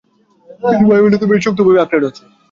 কিন্তু, বাইবেলটা তো বেশ শক্তভাবেই আঁকড়ে ধরেছেন।